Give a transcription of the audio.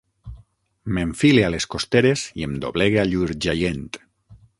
M'enfile a les costeres i em doblegue a llur jaient.